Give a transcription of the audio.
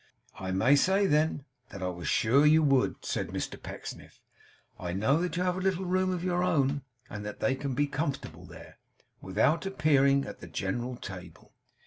'I may say then, that I was sure you would,' said Mr Pecksniff. 'I know that you have a little room of your own, and that they can be comfortable there, without appearing at the general table.